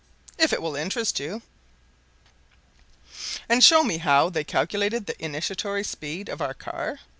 "If it will interest you." "And show me how they calculated the initiatory speed of our car?"